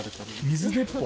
水鉄砲！？